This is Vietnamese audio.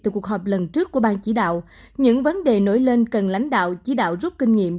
từ cuộc họp lần trước của ban chỉ đạo những vấn đề nổi lên cần lãnh đạo chỉ đạo rút kinh nghiệm